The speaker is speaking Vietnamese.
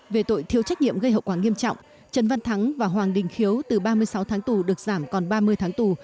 về tội thiếu trách nhiệm gây hậu quả nghiêm trọng trần văn thắng và hoàng đình khiếu từ ba mươi sáu tháng tù được giảm còn ba mươi tháng tù